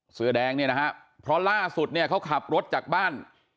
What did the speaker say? เสื้อแดงเนี่ยนะฮะเพราะล่าสุดเนี่ยเขาขับรถจากบ้าน